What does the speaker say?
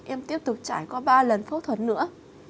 em tiếp tục trải qua ba lần phẫu thuật nữa